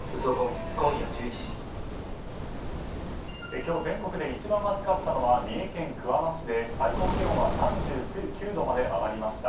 今日、全国で一番暑かったのは三重県桑名市で、最高気温は３９度まで上がりました。